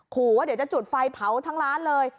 ขู่แม่จะจุดไฟเผาทั้งร้านเลย